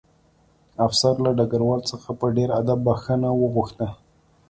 افسر له ډګروال څخه په ډېر ادب بښنه وغوښته